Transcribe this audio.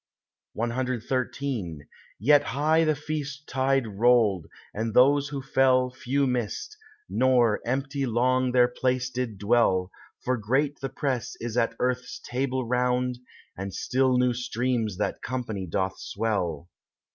CXIII Yet high the feast tide rolled, and those who fell Few missed, nor empty long their place did dwell, For great the press is at earth's table round, And still new streams that company doth swell.